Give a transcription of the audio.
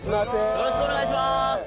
よろしくお願いします！